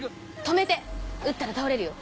止めて撃ったら倒れるよ。